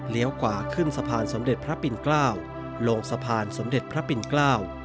เลี้ยวกว่าขึ้นสะพานสมเด็จพระปิณกล้าวลงสะพานสมเด็จพระปิณกล้าว